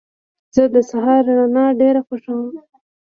زه د سهار رڼا ډېره خوښوم.